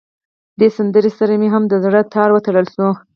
دې سندره سره مې هم د زړه تار وتړل شو.